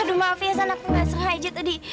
aduh maaf ya san aku nggak sehat aja tadi